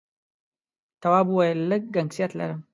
تواب وويل: لږ گنگسیت لرم.